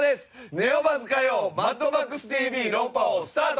ネオバズ火曜『マッドマックスＴＶ論破王』スタート！